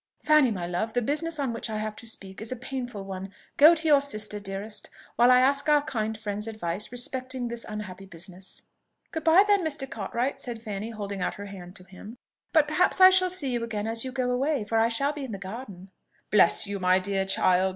Fanny, my love, the business on which I have to speak is a painful one: go to your sister, dearest, while I ask our kind friend's advice respecting this unhappy business." "Good b'ye then, Mr. Cartwright," said Fanny, holding out her hand to him. "But perhaps I shall see you again as you go away, for I shall be in the garden." "Bless you, my dear child!"